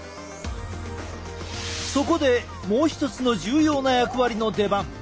そこでもう一つの重要な役割の出番。